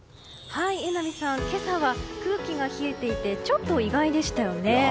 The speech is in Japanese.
今朝は空気が冷えていてちょっと意外でしたよね。